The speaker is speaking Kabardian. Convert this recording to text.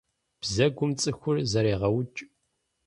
Бзэгум цӀыхур зэрегъэукӀ.